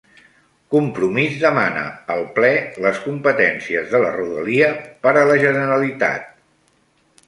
Compromís demana al ple les competències de la Rodalia per a la Generalitat